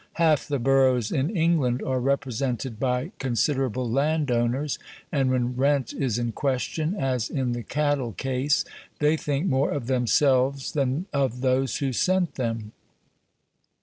Half the boroughs in England are represented by considerable landowners, and when rent is in question, as in the cattle case, they think more of themselves than of those who sent them.